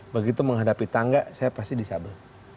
begitu menghadapi tangga saya pasti disabel